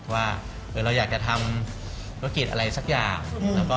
ว่าเราอยากจะทำธุรกิจอะไรสักอย่าง